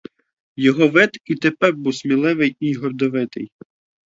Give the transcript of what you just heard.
Його вид і тепер був сміливий і гордовитий.